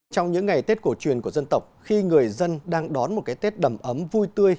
trong những ngày tết cổ truyền của dân tộc khi người dân đang đón một cái tết đầm ấm vui tươi